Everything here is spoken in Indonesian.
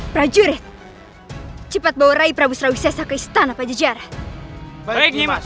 prajurit cepat bahwa raibrabu selesai ke istana pada jarak baiknya mas